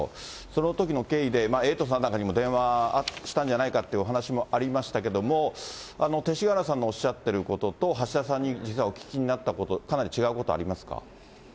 そのときの経緯で、エイトさんなんかにも電話したんじゃないかというお話もありましたけども、勅使河原さんのおっしゃっていることと、橋田さんに実際お聞きになったこと、かなり違うことありますか。